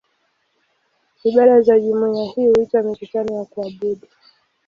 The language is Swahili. Ibada za jumuiya hii huitwa "mikutano ya kuabudu".